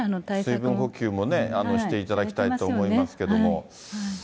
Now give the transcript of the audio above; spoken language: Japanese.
水分補給もしていただきたいと思いますけど。